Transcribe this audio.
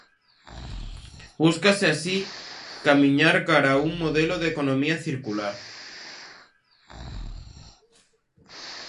Búscase así camiñar cara a un modelo de economía circular.